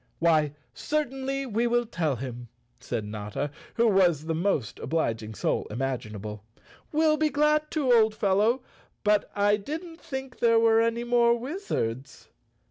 "Why, certainly we will tell him," said Notta, who was the most obliging soul imaginable. "We'll be glad to, old fellow, but I didn't think there were any more wizards."